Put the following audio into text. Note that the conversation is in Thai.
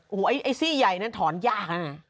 โอ้โหไอ้ซี่ใหญ่นั้นถอนยากนะ